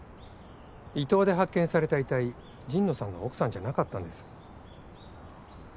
伊東で発見された遺体神野さんの奥さんじゃなかったんです。